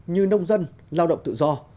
như nông dân lao động tự do